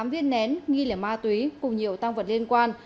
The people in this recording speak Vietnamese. tám viên nén nghi lẻ ma túy cùng nhiều tăng vật liên quan